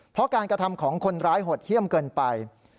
เพราะการกระทำของคนร้ายหดเยี่ยมเกินไป